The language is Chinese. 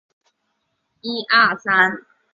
末广町停留场本线的铁路车站。